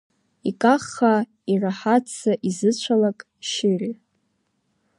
Икаххаа, ираҳаҭӡа изыцәалак, шьыри!